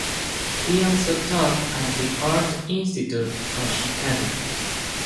He also taught at the Art Institute of Chicago.